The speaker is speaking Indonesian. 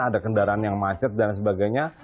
ada kendaraan yang macet dan sebagainya